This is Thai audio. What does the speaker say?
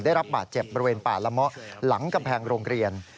ได้รับบาดเจ็บบริเวณป่าละเมาะหลังกำแพงโรงเรียน